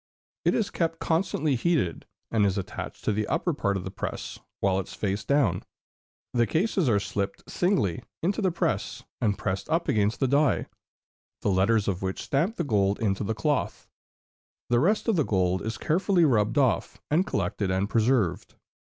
It is kept constantly heated, and is attached to the upper part of the press with its face down; the cases are slipped singly into the press, and pressed up against the die, the letters of which stamp the gold into the cloth; the rest of the gold is carefully rubbed off, and collected and preserved.